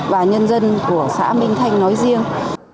và nhân dân của xã minh thanh nói riêng